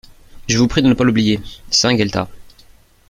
Je vous prie de ne pas l'oublier ! SAINT-GUELTAS.